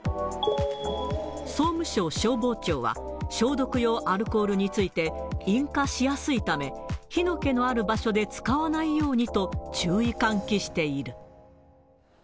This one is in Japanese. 総務省消防庁は、消毒用アルコールについて、引火しやすいため、火の気のある場所で使わないようにと、注意喚起している。